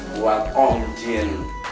buat om jin